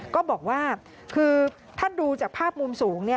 ก็บอกว่าคือถ้าดูจากภาพมุมสูง